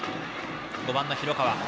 ５番の広川。